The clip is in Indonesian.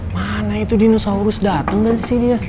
mana itu dinosaurus datang gak sih dia